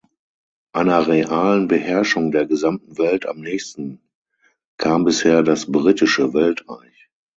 Einer realen Beherrschung der gesamten Welt am nächsten kam bisher das Britische Weltreich.